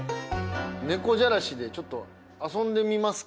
猫じゃらしでちょっと遊んでみますか。